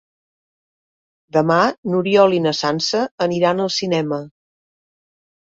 Demà n'Oriol i na Sança aniran al cinema.